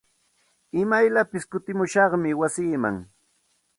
Imayllapis kutimushaqmi wasiiman.